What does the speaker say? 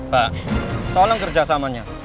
pak tolong kerja samanya